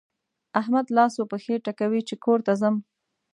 احمد لاس و پښې ټکوي چې کور ته ځم.